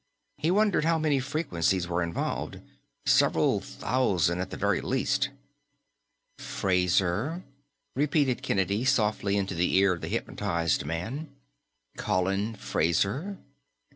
He wondered how many frequencies were involved. Several thousand, at the very least. "Fraser," repeated Kennedy softly into the ear of the hypnotized man. "Colin Fraser.